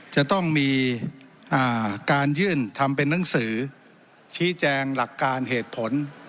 จะต้องมีการยื่นทำเป็นนังสือชี้แจงหลักการเหตุผล